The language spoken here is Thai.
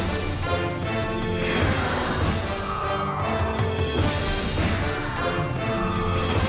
ต้องถามเจ้าของบ้านก็ด้วย